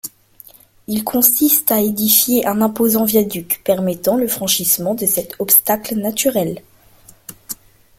Il consiste à édifier un imposant viaduc permettant le franchissement de cet obstacle naturel.